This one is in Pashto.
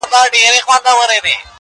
څنگه به هغه له ياده وباسم,